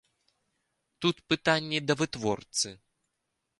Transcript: Тут пытанні да вытворцы.